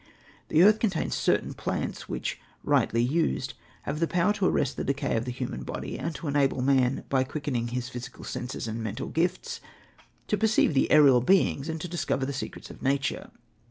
The earth contains certain plants, which, rightly used, have power to arrest the decay of the human body, and to enable man, by quickening his physical senses and mental gifts, to perceive the aerial beings and to discover the secrets of nature.